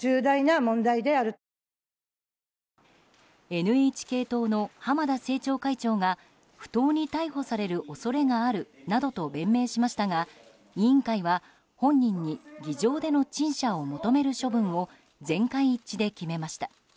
ＮＨＫ党の浜田政調会長が不当に逮捕される恐れがあるなどと弁明しましたが、委員会は本人に議場での陳謝を求める処分を、全会一致で決めました。